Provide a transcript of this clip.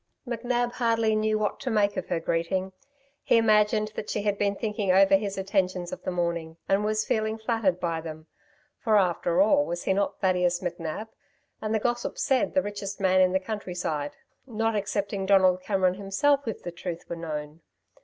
McNab hardly knew what to make of her greeting. He imagined that she had been thinking over his attentions of the morning, and was feeling flattered by them for after all was he not Thadeus McNab and, the gossips said, the richest man in the country side, not excepting Donald Cameron himself, if the truth were known.